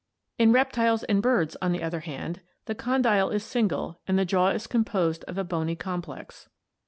In rep tiles and birds, on the other hand, the condyle is single and the jaw is composed of a bony complex.